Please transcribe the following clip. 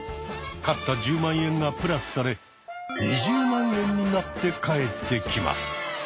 勝った１０万円がプラスされ２０万円になって返ってきます。